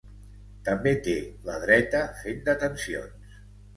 També té la dreta fent detencions.